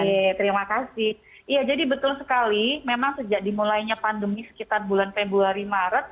oke terima kasih ya jadi betul sekali memang sejak dimulainya pandemi sekitar bulan februari maret